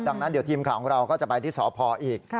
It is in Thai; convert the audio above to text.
ดังนั้นเดี๋ยวทีมข่าวของเราก็จะไปที่สพอีก